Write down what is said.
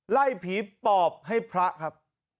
ไล่ผีปอบให้พระครับ